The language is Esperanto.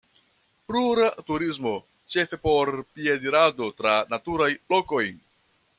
Rura turismo, ĉefe por piedirado tra naturaj lokoj.